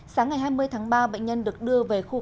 sáng ngày hai mươi tháng ba bệnh nhân được đưa về khu khách sạn